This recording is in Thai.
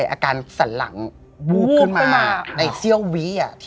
อาการสันหลังวูบขึ้นมาในเสี้ยววิ